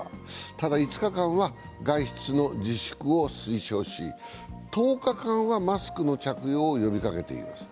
ただ５日間は外出の自粛を推奨し１０日間はマスクの着用を呼びかけています。